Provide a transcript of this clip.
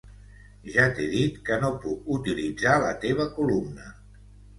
Ja t'he dit que no puc utilitzar la teva columna.